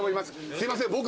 すみません